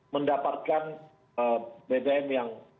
mendapatkan bbm yang